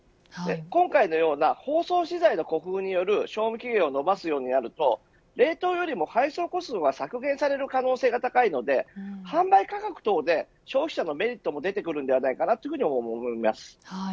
今回のような包装資材の工夫による賞味期限をのばすようになると工夫は冷凍よりも配送コストが削減される可能性が高いので販売価格等で消費者側にもメリットが出てくるのではないかと思います。